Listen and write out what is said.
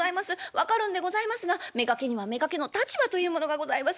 分かるんでございますが妾には妾の立場というものがございます。